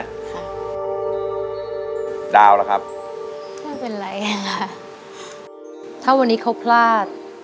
ค่ะดาวล่ะครับไม่เป็นไรค่ะถ้าวันนี้เขาพลาด